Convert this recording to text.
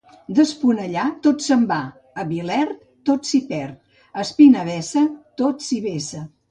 D'Esponellà, tot se'n va; a Vilert, tot s'hi perd; a Espinavessa, tot s'hi vessa.